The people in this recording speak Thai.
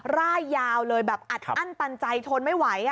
ร่ายยาวเลยแบบอัดอั้นตันใจทนไม่ไหว